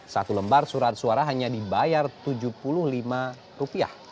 satu lembar surat suara hanya dibayar tujuh puluh lima